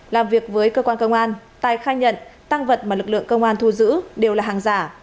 làm việc với cơ quan công an tài khai nhận tăng vật mà lực lượng công an thu giữ đều là hàng giả